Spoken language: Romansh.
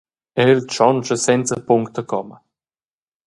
El tschontscha senza punct e comma.